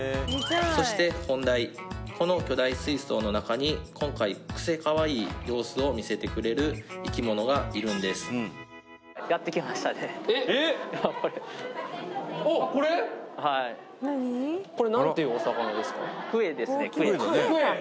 そして本題この巨大水槽の中に今回クセかわいい様子を見せてくれる生き物がいるんですあこれ？